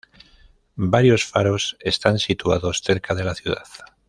Varios faros están situados cerca de la ciudad.